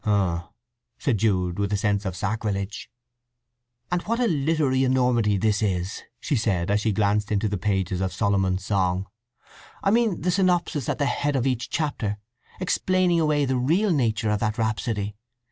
"H'm!" said Jude, with a sense of sacrilege. "And what a literary enormity this is," she said, as she glanced into the pages of Solomon's Song. "I mean the synopsis at the head of each chapter, explaining away the real nature of that rhapsody.